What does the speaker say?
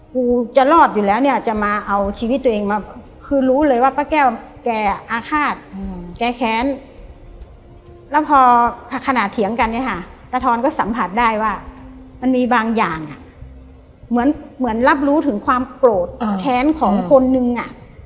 กูจะรอดอยู่แล้วเนี่ยจะมาเอาชีวิตตัวเองมาคือรู้เลยว่าป้าแก้วแกอาฆาตแกแค้นแล้วพอขนาดเถียงกันเนี่ยค่ะตาทอนก็สัมผัสได้ว่ามันมีบางอย่างอ่ะเหมือนเหมือนรับรู้ถึงความโกรธแค้นของคนนึงอ่ะ